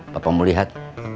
bapak mau lihat